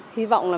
hy vọng là